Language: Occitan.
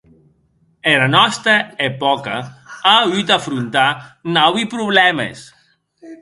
Era nòsta epòca a auut d'afrontar naui problèmes.